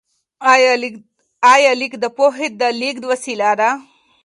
آیا لیک د پوهې د لیږد وسیله ده؟